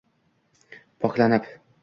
poklanib